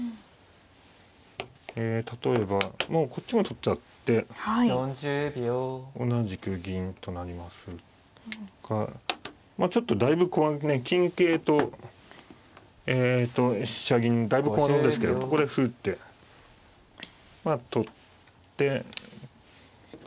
例えばもうこっちも取っちゃって同じく銀となりますがまあちょっとだいぶ駒は金桂と飛車銀だいぶ駒損ですけどここで歩打ってまあ取って角を成るとか。